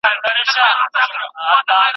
ګډونوالو د رنګ د برابرولو لپاره ډیسک کارولی.